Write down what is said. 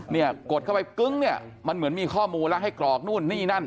กดเข้าไปกึ้งเนี่ยมันเหมือนมีข้อมูลแล้วให้กรอกนู่นนี่นั่น